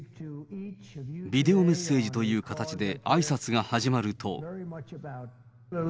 ビデオメッセージという形で、あいさつが始まると。